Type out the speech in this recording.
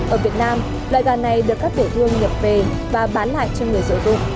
ở việt nam loại gà này được các tiểu thương nhập về và bán lại cho người sử dụng